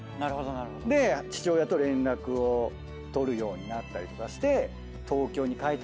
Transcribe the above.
で父親と連絡を取るようになったりとかして。